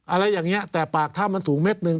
อะไรอย่างนี้แต่ปากถ้ำมันสูงเม็ดหนึ่ง